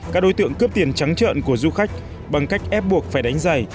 các đối tượng cướp tiền trắng trợn của du khách bằng cách ép buộc phải đánh giày